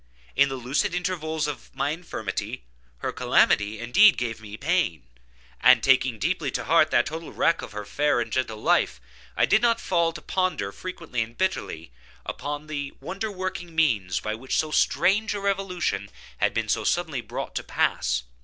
In the lucid intervals of my infirmity, her calamity, indeed, gave me pain, and, taking deeply to heart that total wreck of her fair and gentle life, I did not fail to ponder, frequently and bitterly, upon the wonder working means by which so strange a revolution had been so suddenly brought to pass.